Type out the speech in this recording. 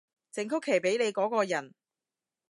整曲奇畀你嗰個人